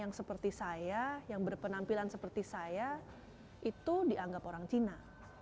yang seperti saya yang berpenampilan seperti saya itu dianggap orang cina